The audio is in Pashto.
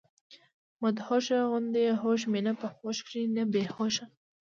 مدهوشه غوندي هوش مي نۀ پۀ هوش کښې نۀ بي هوشه